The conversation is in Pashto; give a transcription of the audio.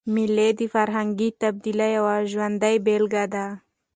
مېلې د فرهنګي تبادلې یوه ژوندۍ بېلګه ده.